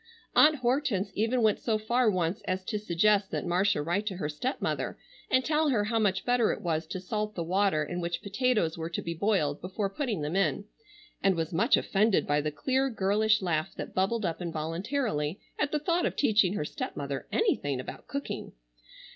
Aunt Hortense even went so far once as to suggest that Marcia write to her stepmother and tell her how much better it was to salt the water in which potatoes were to be boiled before putting them in, and was much offended by the clear girlish laugh that bubbled up involuntarily at the thought of teaching her stepmother anything about cooking.